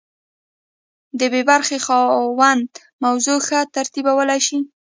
د بي برخې خاوند موضوع ښه ترتیبولی شي.